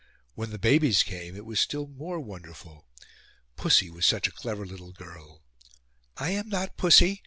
When the babies came it was still more wonderful. Pussy was such a clever little girl ("I am not Pussy!